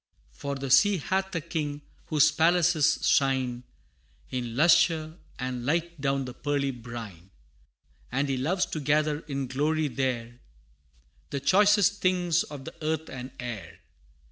For the Sea hath a King whose palaces shine, In lustre and light down the pearly brine, And he loves to gather in glory there, The choicest things of the earth and air.